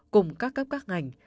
cùng các cấp các ngành